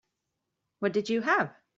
What did you have?